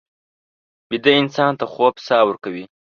ویده انسان ته خوب ساه ورکوي